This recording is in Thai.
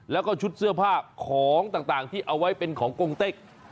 แล้วก็ชุดเสื้อผ้าของต่างที่เอาไว้เป็นของกงเต็ก